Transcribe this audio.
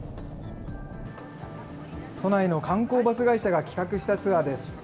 都内の観光バス会社が企画したツアーです。